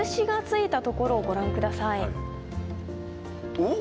おっ？